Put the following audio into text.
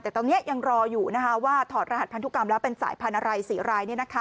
แต่ตอนนี้ยังรออยู่ว่าถอดรหัสพันธุกรรมแล้วเป็นสายพันธุ์อะไร๔ราย